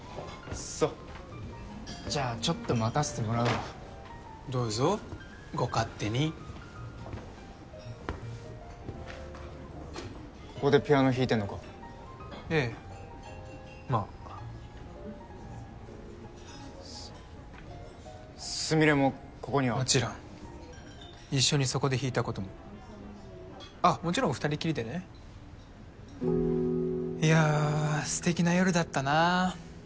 そっじゃあちょっと待たせてもらうわどうぞご勝手にここでピアノ弾いてんのかええまあススミレもここにはもちろん一緒にそこで弾いたこともあっもちろん二人きりでねいやステキな夜だったなあ